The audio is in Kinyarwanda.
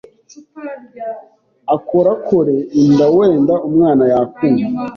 akorakore inda wenda umwana yakumva,